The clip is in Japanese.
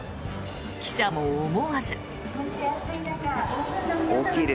記者も思わず。